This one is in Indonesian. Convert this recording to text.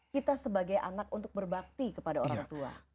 kita sebagai anak untuk berbakti kepada orang tua